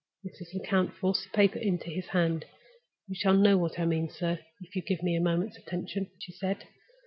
Mrs. Lecount forced the paper into his hand. "You shall know what I mean, sir, if you will give me a moment's attention," she said.